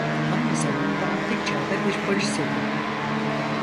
Aynı zamanda Antik Çağ'da bir polis idi.